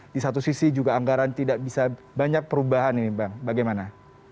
di satu sisi juga anggaran tidak bisa banyak perubahan ini bang bagaimana